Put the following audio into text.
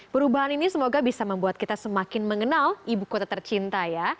perubahan ini semoga bisa membuat kita semakin mengenal ibu kota tercinta ya